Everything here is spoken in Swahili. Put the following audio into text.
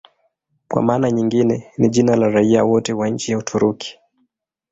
Kwa maana nyingine ni jina la raia wote wa nchi ya Uturuki.